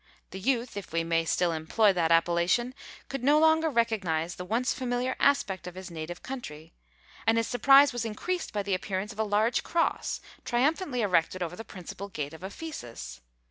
The youth, if we may still employ that appellation, could no longer recognise the once familiar aspect of his native country; and his surprise was increased by the appearance of a large cross, triumphantly erected over the principal gate of Ephesus.